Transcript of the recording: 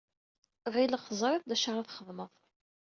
Ɣileɣ teẓriḍ d acu ara txedmeḍ.